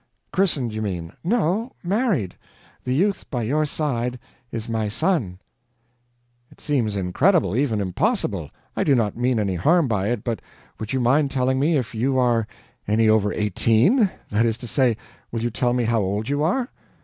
"Christened, you mean." "No, married. The youth by your side is my son." "It seems incredible even impossible. I do not mean any harm by it, but would you mind telling me if you are any over eighteen? that is to say, will you tell me how old you are?"